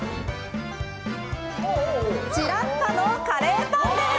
ジラッファのカレーパンです！